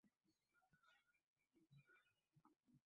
এই সময় হইতে আমরা স্বামীজীকে খুব কমই দেখিতে পাই।